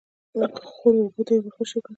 ، خړو اوبو ته يې ور خوشی کړه.